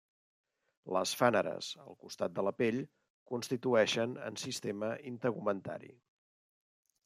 Les fàneres, al costat de la pell, constitueixen en sistema integumentari.